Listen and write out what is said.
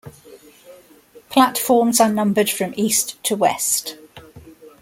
Platforms are numbered from east to west.